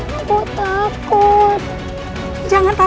tidak boleh jatuh ke tangan orangtua